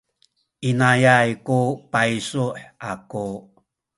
inayay ku paysu aku.